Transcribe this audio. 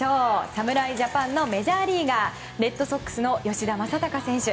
侍ジャパンのメジャーリーガーレッドソックスの吉田正尚選手